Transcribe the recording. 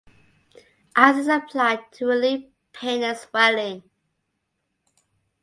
Ice is applied to relieve pain and swelling.